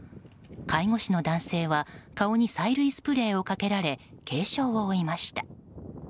介護士の男性は顔に催涙スプレーをかけられ軽傷を負いました。